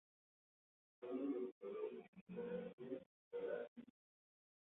Fue uno de los fundadores de la empresa García, Alcalá y Cía.